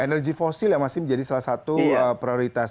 energi fosil yang masih menjadi salah satu prioritas